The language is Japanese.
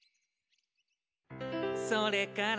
「それから」